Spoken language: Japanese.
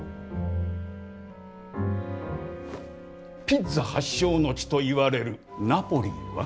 ピッツァ発祥の地といわれるナポリは？